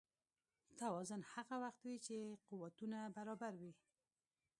توازن هغه وخت وي چې قوتونه برابر وي.